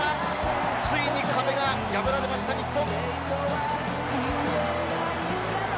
ついに壁が破られました日本。